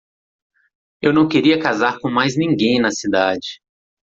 Eu não queria casar com mais ninguém na cidade.